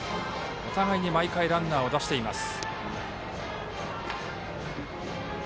お互いに毎回ランナーを出しています。